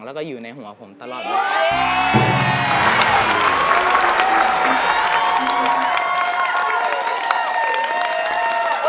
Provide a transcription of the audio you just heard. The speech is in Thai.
แล้วก็อยู่ในหัวผมตลอดเลย